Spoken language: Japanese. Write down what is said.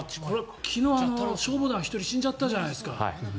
昨日、消防団１人死んじゃったじゃないですか。